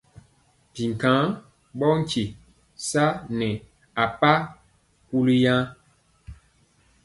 Ɓɛ nkaŋ ɓɔ nkye sa nɛ a paa kunaaya.